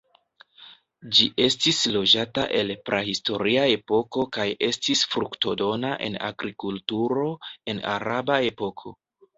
Ĝi estis loĝata el prahistoria epoko kaj estis fruktodona en agrikulturo en araba epoko.